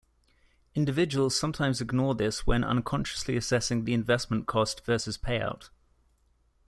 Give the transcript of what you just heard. Individuals sometimes ignore this when unconsciously assessing the investment cost versus payout.